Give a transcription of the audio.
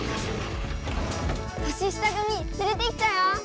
年下組つれてきたよ！